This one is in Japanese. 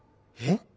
ん？